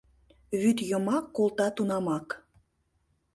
Вӱд йымак колта тунамак.